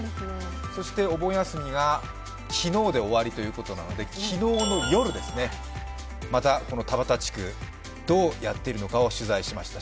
そして、お盆休みが昨日で終わりということなので、昨日の夜、またこの田畑地区、どうやっているのか取材しました。